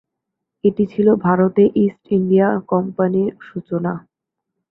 এটি ছিল ভারতে ইস্ট ইন্ডিয়া কোম্পানির সূচনা।